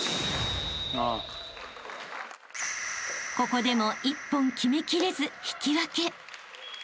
［ここでも一本決めきれず引き分け］